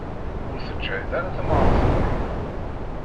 Ur teǧhid ara temrart-nni.